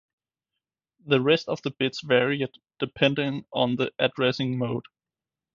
The rest of the bits varied depending on the addressing mode.